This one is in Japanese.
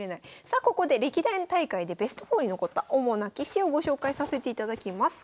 さあここで歴代の大会でベスト４に残った主な棋士をご紹介させていただきます。